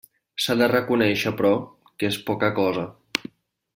S'ha de reconéixer, però, que és poca cosa.